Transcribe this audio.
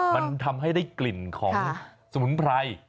มันทำให้ได้กลิ่นของสมุนไพร